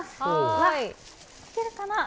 うわ、いけるかな？